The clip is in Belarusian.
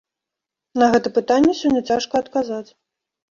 На гэта пытанне сёння цяжка адказаць.